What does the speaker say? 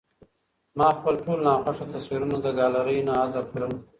ما خپل ټول ناخوښه تصویرونه له ګالرۍ نه حذف کړل.